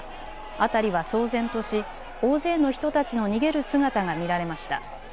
辺りは騒然とし、大勢の人たちの逃げる姿が見られました。